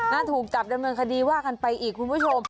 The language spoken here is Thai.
ถูกจับดำเนินคดีว่ากันไปอีกคุณผู้ชม